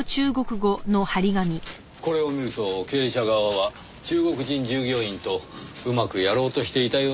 これを見ると経営者側は中国人従業員とうまくやろうとしていたように見えますがねぇ。